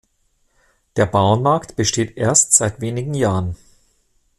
Der Bauernmarkt besteht erst seit wenigen Jahren.